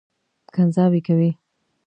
کنځاوې کوي.